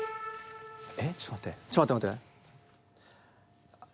えっちょっと待ってちょっと待って待って。